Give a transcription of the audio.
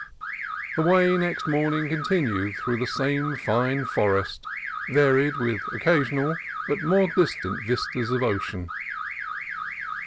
The way next morning continued through the same fine forest, varied with occasional but more distant vistas of ocean.